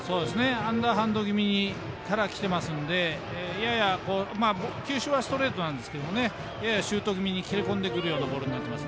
アンダーハンド気味からきてますのでやや、球種はストレートなんですけどややシュート気味に切れ込んできますね。